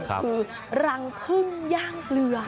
คือรังพึ่งย่างเกลือ